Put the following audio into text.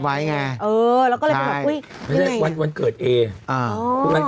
ใช่วาดไว้ไง